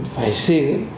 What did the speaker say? phải xây dựng